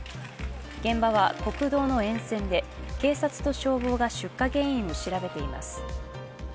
現場は国道の沿線で警察と消防が出火原因を調べています。